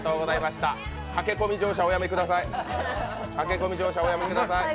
駆け込み乗車おやめください。